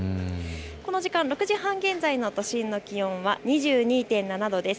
この時間、６時半現在の都心の気温は２２．７度です。